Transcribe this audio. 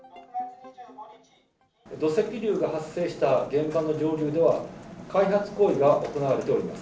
土石流が発生した現場の上流では、開発行為が行われております。